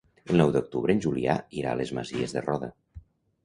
El nou d'octubre en Julià irà a les Masies de Roda.